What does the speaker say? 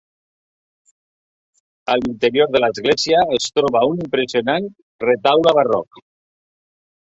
A l'interior de l'església es troba un impressionant retaule barroc.